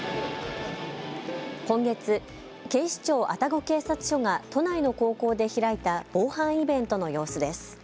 今月、警視庁愛宕警察署が都内の高校で開いた防犯イベントの様子です。